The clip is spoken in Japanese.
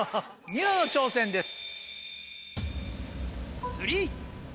ニノの挑戦です。